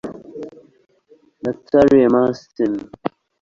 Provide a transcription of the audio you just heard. natalie massenet